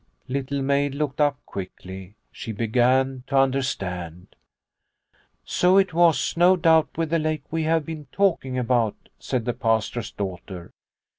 Little Maid looked up quickly. She began to understand. "So it was no doubt with the lake we have been talking about," said the Pastor's daughter.